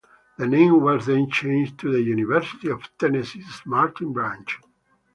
The name was then changed to The University of Tennessee Martin Branch.